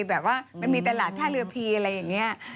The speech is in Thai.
แบบว่ามันมีตลาดท่าเรือพีอะไรอย่างนี้